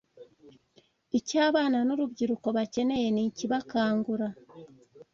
Icyo abana n’urubyiruko bakeneye ni ikibakangura